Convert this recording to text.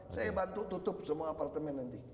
saya bantu tutup semua apartemen nanti